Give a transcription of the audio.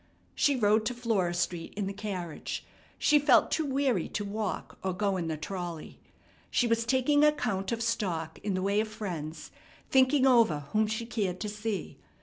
She rode to Flora Street in the carriage. She felt too weary to walk or go in the trolley. She was taking account of stock in the way of friends, thinking over whom she cared to see.